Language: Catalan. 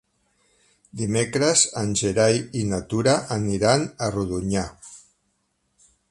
Dimecres en Gerai i na Tura aniran a Rodonyà.